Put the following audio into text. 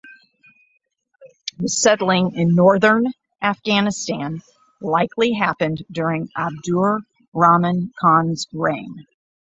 The settling in northern Afghanistan likely happened during Abdur Rahman Khans reign.